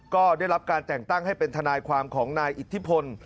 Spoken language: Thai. ก็ได้รับการแต่งตั้งให้เป็นทนายความของนายอิทธิพล